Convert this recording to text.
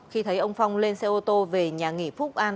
khi thấy ông phong lên xe ô tô về nhà nghỉ phúc an